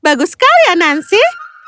bagus sekali anansi